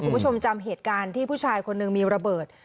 คุณผู้ชมจำเหตุการณ์ที่ผู้ชายคนหนึ่งมีระเบิด